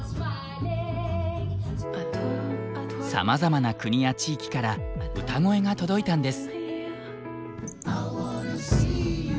さまざまな国や地域から歌声が届いたんです。